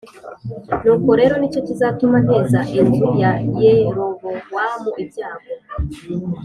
Nuko rero ni cyo kizatuma nteza inzu ya Yerobowamu ibyago